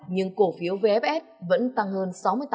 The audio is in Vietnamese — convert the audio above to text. nhưng cổ phiếu vfs vẫn tăng hơn sáu mươi tám